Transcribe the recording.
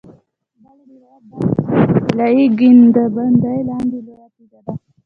بل روایت دا دی چې تر طلایي ګنبدې لاندې لویه تیږه ده.